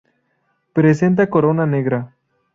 Presenta corona negra.